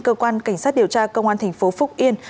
cơ quan cảnh sát điều tra công an tp phúc yên